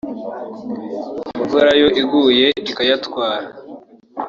imvura iyo iguye ikayatwara